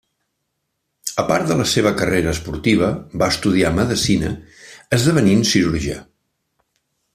A part de la seva carrera esportiva va estudiar medicina, esdevenint cirurgià.